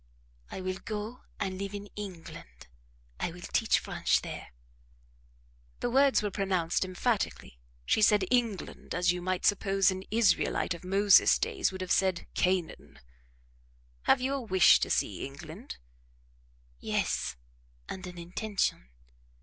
"I will go and live in England; I will teach French there." The words were pronounced emphatically. She said "England" as you might suppose an Israelite of Moses' days would have said Canaan. "Have you a wish to see England?" "Yes, and an intention."